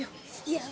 いや。